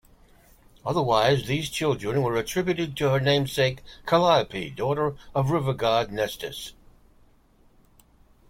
Otherwise these children were attributed to her namesake Calliope, daughter of river-god Nestus.